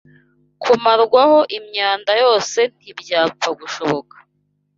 kumarwaho imyanda yose ntibyapfa gushoboka